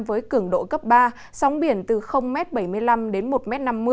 với cứng độ cấp ba sóng biển từ bảy mươi năm m đến một năm mươi m